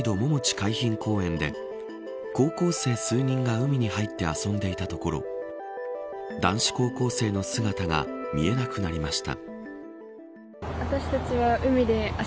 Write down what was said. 福岡市のシーサイドももち海浜公園で高校生数人が海に入って遊んでいたところ男子高校生の姿が見えなくなりました。